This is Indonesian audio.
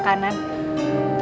makhluk baban nyatap